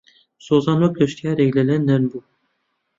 سۆزان وەک گەشتیارێک لە لەندەن بوو.